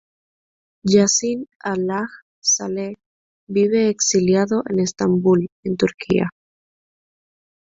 Yassin Al-Haj Saleh vive exiliado en Estambul, en Turquía.